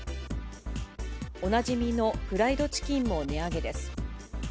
おなじみのフライドチキンも値上げです。